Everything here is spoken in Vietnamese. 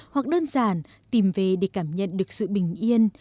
hoặc đơn giản tìm về để cảm nhận được sự bình yên